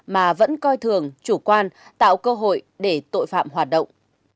mà vẫn coi thường chủ quan tạo cơ hội để tội phạm hoạt động